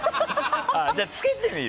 じゃあつけてみる？